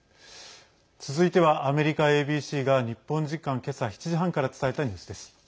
続いてはアメリカＡＢＣが日本時間、今朝７時半から伝えたニュースです。